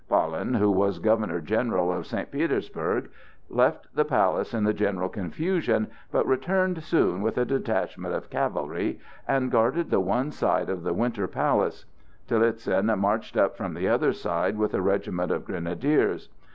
Pahlen, who was Governor General of St. Petersburg, left the palace in the general confusion, but returned soon with a detachment of cavalry and guarded the one side of the Winter Palace. Talizin marched up from the other side with a regiment of grenadiers.